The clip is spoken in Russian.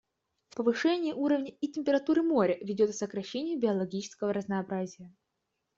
Повышение уровня и температуры моря ведет к сокращению биологического разнообразия.